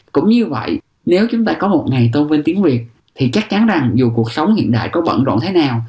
cũng như vậy nếu chúng ta có một ngày tôn vinh tiếng việt thì chắc chắn rằng dù cuộc sống hiện đại có bận rộn thế nào